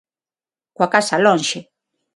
Coa casa lonxe.